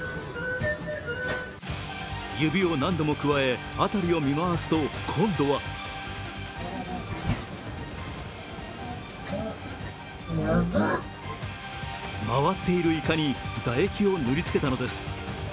指を何度もくわえ、辺りを見回すと今度は回っているイカに唾液を塗りつけたのです。